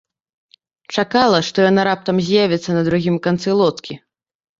Чакала, што яна раптам з'явіцца на другім канцы лодкі.